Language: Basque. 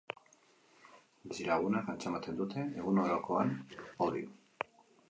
Bizilagunek antzematen dute egunerokoan hori.